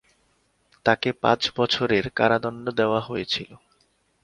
তাকে পাঁচ বছরের কারাদণ্ড দেওয়া হয়েছিল।